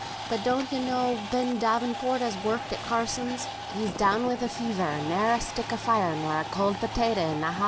But don ye know Ben Davenport as worked at Carsons'? He's down wi' the fever, and ne'er a stick o' fire, nor a cowd potato in the house."